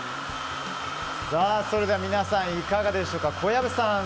それでは皆さんいかがでしょうか。